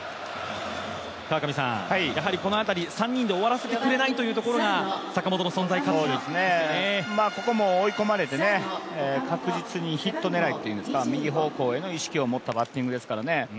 やはりこの辺り、３人で終わらせてくれないというところが、ここも追い込まれて確実にヒット狙い、右方向への意識を持ったバッティングですからね